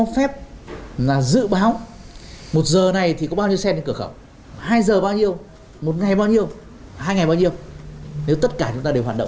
khi mà giúp giảm như thế thì có khi là không cần phải lên cửa khẩu trực tiếp làm nữa